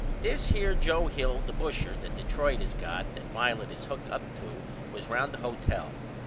This here Joe Hill the busher that Detroit has got that Violet is hooked up to was round the hotel.